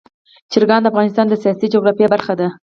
چرګان د افغانستان د سیاسي جغرافیه برخه ده.